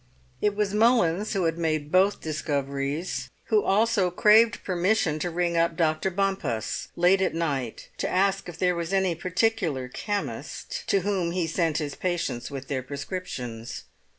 It was Mullins, who had made both discoveries, who also craved permission to ring up Dr. Bompas, late at night, to ask if there was any particular chemist to whom he sent his patients with their prescriptions.